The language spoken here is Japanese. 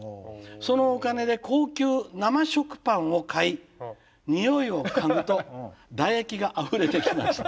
そのお金で高級生食パンを買い匂いを嗅ぐと唾液があふれてきました」。